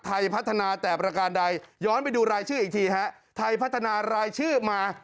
ไทยพัฒนาแต่ประการใดย้อนไปดูรายชื่ออีกทีฮะไทยพัฒนารายชื่อมา